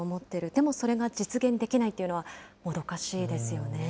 でもそれが実現できないというのは、もどかしいですよね。